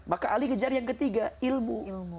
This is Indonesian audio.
maka ali ngejar yang ketiga ilmu